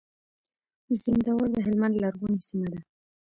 زينداور د هلمند لرغونې سيمه ده.